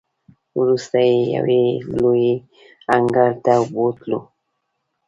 وروسته یې یوې لویې انګړ ته بوتللو.